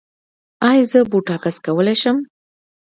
ایا زه بوټاکس کولی شم؟